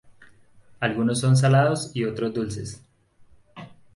Algunos son salados y otros dulces.